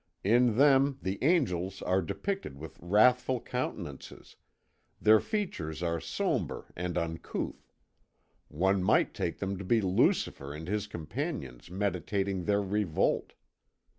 In them the angels are depicted with wrathful countenances, their features are sombre and uncouth. One might take them to be Lucifer and his companions meditating their revolt.